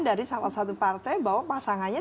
dari salah satu partai bahwa pasangannya